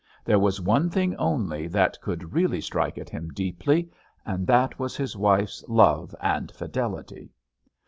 There was one thing only that could really strike at him deeply, and that was his wife's love and fidelity.